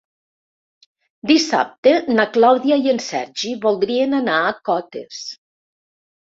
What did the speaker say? Dissabte na Clàudia i en Sergi voldrien anar a Cotes.